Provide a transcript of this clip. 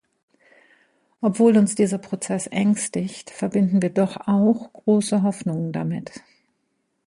Obwohl uns dieser Prozess ängstigt, verbinden wir doch auch große Hoffnungen damit.